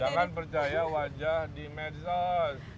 jangan percaya wajah di medsos